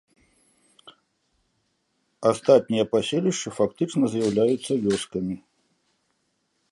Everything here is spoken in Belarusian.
Астатнія паселішчы фактычна з'яўляюцца вёскамі.